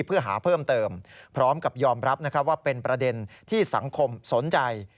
เพื่อหาเพิ่มเติมพร้อมกับยอมรับว่าเป็นประเด็นที่สังคมสนใจ